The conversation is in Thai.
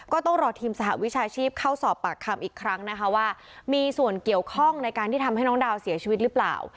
ก็ต้องรอทีมสหวิชาชีพเข้าสอบปากคำอีกครั้งนะคะว่ามีส่วนเกี่ยวข้องในการที่ทำให้น้องดาวเสียชีวิตหรือเปล่า